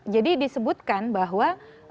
jadi disebutkan bahwa